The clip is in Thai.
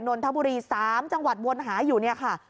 นนทบุรี๓จังหวัดวนหาอยู่เนี่ยค่ะ